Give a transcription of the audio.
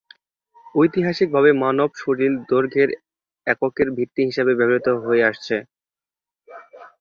ঐতিহাসিকভাবে মানব শরীর দৈর্ঘ্যের এককের ভিত্তি হিসেবে ব্যবহৃত হয়ে আসছে।